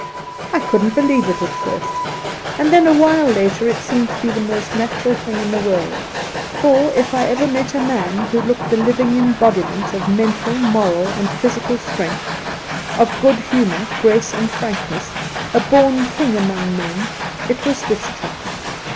I couldn't believe it at first, and then a while later it seemed to be the most natural thing in the world ; for, if I ever met a man who looked the living embodiment of mental, moral, and physical strength, of good humour, grace, and frankness — a born king among men — it was this chap.